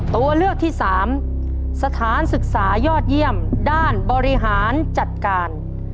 ตัวเลือกที่สามสถานศึกษายอดเยี่ยมด้านบริหารจัดการ